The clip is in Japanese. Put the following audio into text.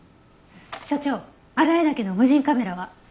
所長荒谷岳の無人カメラは？